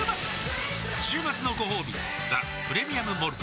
週末のごほうび「ザ・プレミアム・モルツ」